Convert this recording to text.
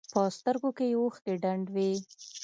په سترګو کښې يې اوښکې ډنډ وې.